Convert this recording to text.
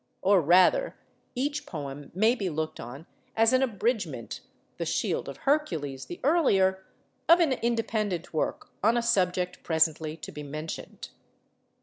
Or rather, each poem may be looked on as an abridgment (the 'Shield of Hercules' the earlier) of an independent work on a subject presently to be mentioned.